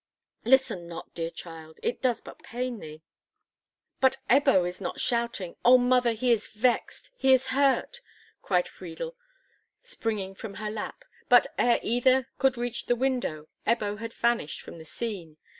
"Listen not, dear child; it does but pain thee." "But Ebbo is not shouting. Oh, mother, he is vexed—he is hurt!" cried Friedel, springing from her lap; but, ere either could reach the window, Ebbo had vanished from the scene.